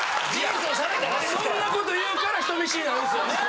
そんなこと言うから人見知りになるんですよね。